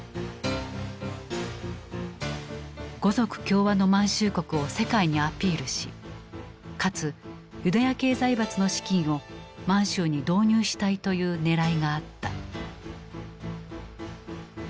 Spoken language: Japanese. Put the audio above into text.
「五族協和の満州国」を世界にアピールしかつユダヤ系財閥の資金を満州に導入したいというねらいがあった。